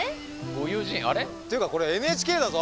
ご友人あれ？というかこれＮＨＫだぞ。